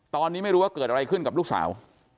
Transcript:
ตอนนี้ไม่รู้ว่าเกิดอะไรขึ้นกับลูกสาว